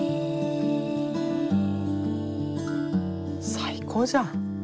最高じゃん。